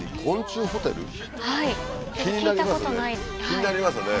気になりますね。